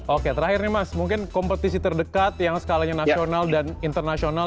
oke terakhir nih mas mungkin kompetisi terdekat yang skalanya nasional dan internasional